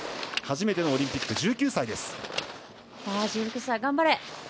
初めてのオリンピック１９歳です。